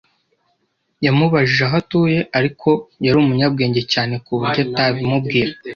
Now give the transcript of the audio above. Yamubajije aho atuye, ariko yari umunyabwenge cyane ku buryo atabimubwira.